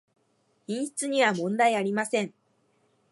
品質にはもんだいありません